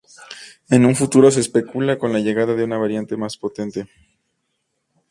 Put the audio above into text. En un futuro se especula con la llegada de una variante más potente.